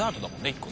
１個。